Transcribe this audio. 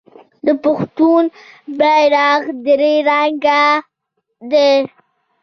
د پښتنو بیرغ درې رنګه دی.